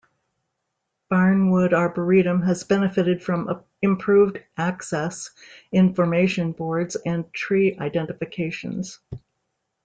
Barnwood arboretum has benefited from improved access, information boards and tree identifications.